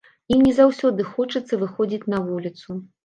Ім не заўсёды хочацца выходзіць на вуліцу.